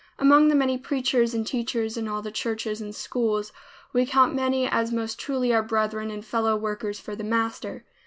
Among the many preachers and teachers in all the churches and schools, we count many as most truly our brethren and fellow workers for the Master.